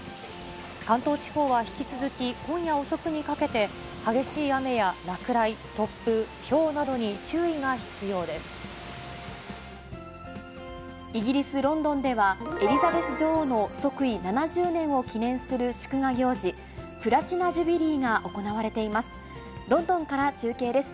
関東地方は引き続き今夜遅くにかけて、激しい雨や落雷、突風、イギリス・ロンドンでは、エリザベス女王の即位７０年を記念する祝賀行事、プラチナ・ジュビリーが行われています。